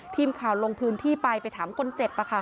ทีมข่าวลงพื้นที่ไปไปถามคนเจ็บ